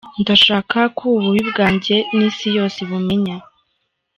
Ndashaka ko ububi bwanjye n’isi yose ibumenya.